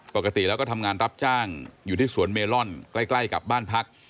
ปกติแล้วก็ทำงานรับจ้างอยู่ที่สวนเมลอนใกล้กับบ้านพัก